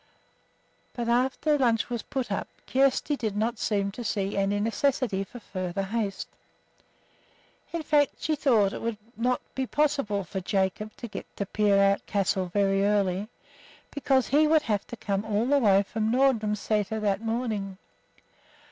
But after the lunch was put up Kjersti did not seem to see any necessity for further haste. In fact, she thought that it would not be possible for Jacob to get to Peerout Castle very early, because he would have to come all the way from Nordrum Sæter that morning.